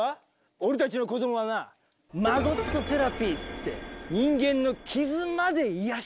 俺たちの子どもはなマゴットセラピーっつって人間の傷まで癒やしてんだぞ。